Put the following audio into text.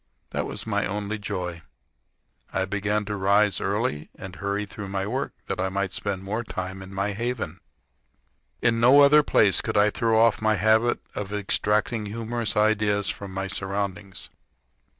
That was my only joy. I began to rise early and hurry through my work, that I might spend more time in my haven. In no other place could I throw off my habit of extracting humorous ideas from my surroundings.